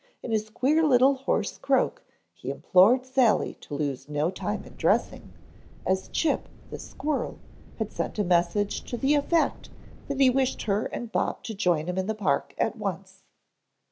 In his queer little hoarse croak he implored Sally to lose no time in dressing, as Chip, the squirrel, had sent a message to the effect that he wished her and Bob to join him in the park at once.